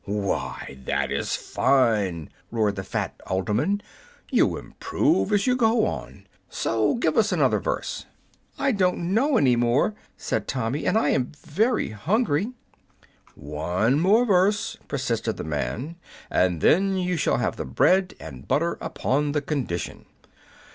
"Why, that is fine!" roared the fat alderman. "You improve as you go on, so give us another verse." "I don't know any more," said Tommy, "and I am very hungry." "One more verse," persisted the man, "and then you shall have the bread and butter upon the condition."